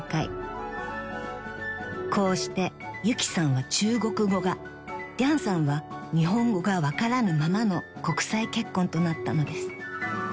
［こうしてゆきさんは中国語がリャンさんは日本語が分からぬままの国際結婚となったのです］